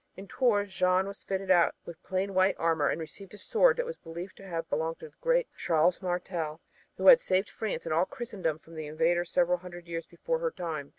In Tours Jeanne was fitted out with plain white armor and received a sword that was believed to have belonged to the great Charles Martel, who had saved France and all Christendom from the invader several hundred years before her time.